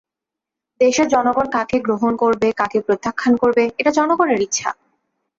দেশের জনগণ কাকে গ্রহণ করবে, কাকে প্রত্যাখ্যান করবে, এটা জনগণের ইচ্ছা।